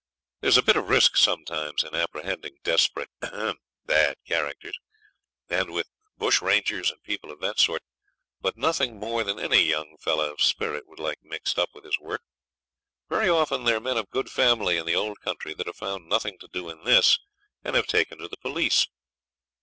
There's a bit of risk sometimes in apprehending desperate ahem! bad characters, and with bush rangers and people of that sort, but nothing more than any young fellow of spirit would like mixed up with his work. Very often they're men of good family in the old country that have found nothing to do in this, and have taken to the police.